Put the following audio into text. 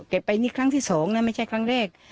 ไปนี่ครั้งที่๒นะไม่ใช่ครั้งแรก